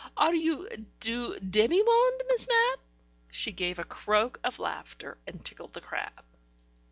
Are you du demi monde. Miss Mapp?" She gave a croak of laughter and tickled the crab.